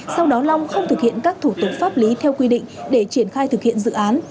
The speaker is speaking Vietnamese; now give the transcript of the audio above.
sau đó long không thực hiện các thủ tục pháp lý theo quy định để triển khai thực hiện dự án